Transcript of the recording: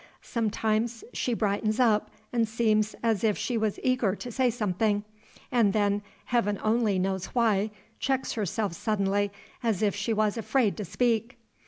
Sometimes she brightens up, and seems as if she was eager to say something; and then Heaven only knows why, checks herself suddenly as if she was afraid to speak.